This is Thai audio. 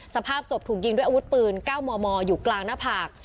สภาพศพถูกยิงด้วยอาวุธปืน๙มมอยู่กลางหน้าผาก